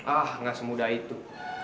ah gak semudah itu